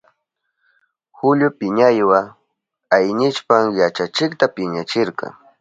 Julio piñaywa aynishpan yachachikta piñachirka.